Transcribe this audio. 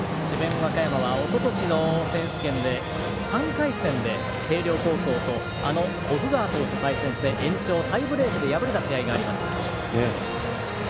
和歌山はおととしの選手権で３回戦で星稜高校の奥川投手と対戦して延長タイブレークで敗れた試合がありました。